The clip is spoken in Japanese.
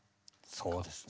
そうですね。